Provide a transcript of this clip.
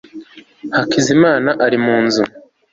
hakizimana ari mu nzu